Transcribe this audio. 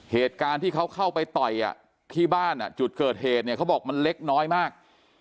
เหตุการณ์ที่เขาเข้าไปต่อยที่บ้านจุดเกิดเหตุเนี่ยเขาบอกมันเล็กน้อยมาก